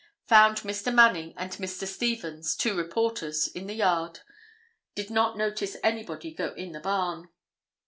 Found Mr. Manning and Mr. Stevens, two reporters, in the yard. Did not notice anybody go in the barn."